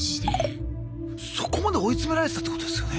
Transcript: そこまで追い詰められてたってことですよね？